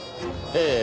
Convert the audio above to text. ええ。